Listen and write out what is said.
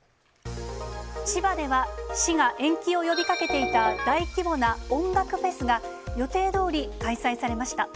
千葉では、市が延期を呼びかけていた大規模な音楽フェスが予定どおり開催されました。